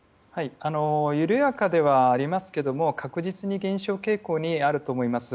緩やかではありますけども確実に減少傾向にあると思います。